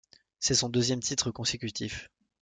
C’est son deuxième titre consécutif.